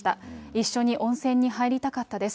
一緒に温泉に入りたかったです。